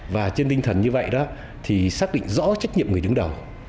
và trên tinh thần như vậy đó thì xác định rõ trách nhiệm người đứng đầu